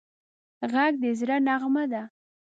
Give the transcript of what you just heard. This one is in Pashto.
غږ د زړه نغمه ده